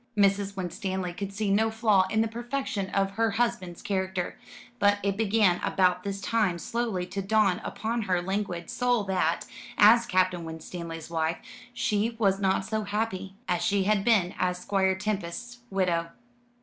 Mrs. Winstanley could see no flaw in the perfection of her husband's character; but it began about this time slowly to dawn upon her languid soul that, as Captain Winstanley's wife, she was not so happy as she had been as Squire Tempest's widow.